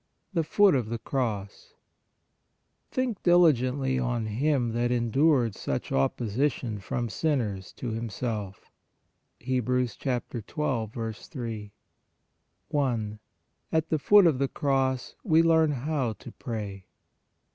THE FOOT OF THE CROSS " Think diligently on Him that endured such opposition from sinners to Himself" (Heb. 12. 3). I. AT THE FOOT OF THE CROSS WE LEARN HOW TO PRAY.